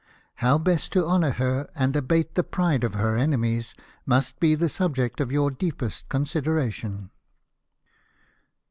How best to honour her and abate the pride of her enemies must be the subject of your deepest consideration."